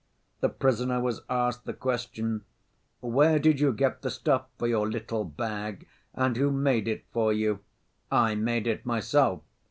The prisoner was asked the question, 'Where did you get the stuff for your little bag and who made it for you?' 'I made it myself.